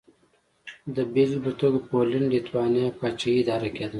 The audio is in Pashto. د بېلګې په توګه پولنډ-لېتوانیا پاچاهي اداره کېده.